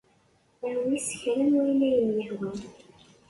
Awey s kra n wayen ay am-yehwan.